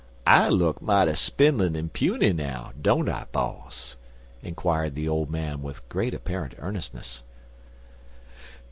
I look mighty spindlin' an' puny now, don't I, boss?" inquired the old man, with great apparent earnestness.